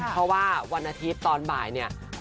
เพราะว่าวันอาทิตย์ตอนบ่ายเนี่ย